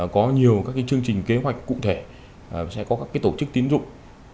có nhiều các chương trình kế hoạch cụ thể sẽ có các tổ chức tín dụng